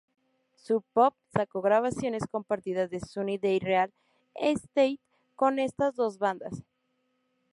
Sub Pop sacó grabaciones compartidas de Sunny Day Real Estate con estas dos bandas.